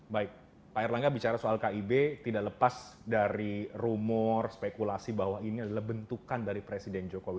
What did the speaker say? baik pak erlangga bicara soal kib tidak lepas dari rumor spekulasi bahwa ini adalah bentukan dari presiden jokowi